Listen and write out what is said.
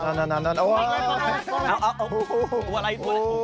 ตัวอะไรตัวอะไร